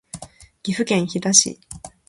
岐阜県飛騨市